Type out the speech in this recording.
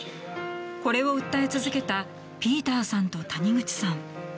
これを訴え続けたピーターさんと谷口さん。